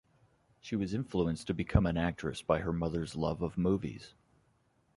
She was influenced to become an actress by her mother's love of movies.